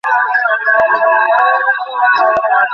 জানি, অ্যাব।